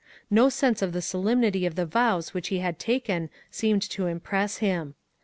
No sense of the solemnity of the vows which he had taken seemed to impress him.